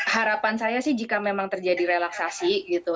harapan saya sih jika memang terjadi relaksasi gitu